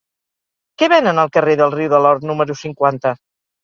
Què venen al carrer del Riu de l'Or número cinquanta?